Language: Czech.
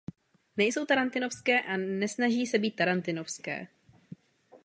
Nejsou tarantinovské a nesnaží se být tarantinovské.